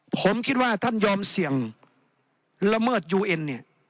ผมคิดว่าท่านยอมเสี่ยงละเมิดยูเอ็นเนี่ย